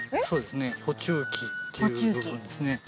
そうですね